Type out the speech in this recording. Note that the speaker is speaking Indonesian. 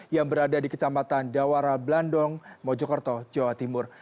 yang berada di kecamatan dawara blandong mojokerto jawa timur